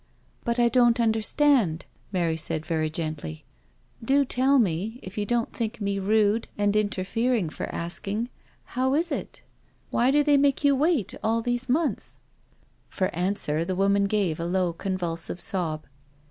" But I don't understand," said Mary very gently. " Do tell me, if you don't think me rude and interfering 28o NO SURRENDER for asking, how is it? Why do they make you wait all these months? For answer the woman gave a low convulsive sob.